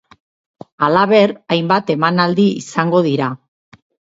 Halaber, hainbat emanaldi izango dira.